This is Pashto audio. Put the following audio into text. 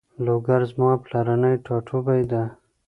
لوګر زما پلرنی ټاټوبی ده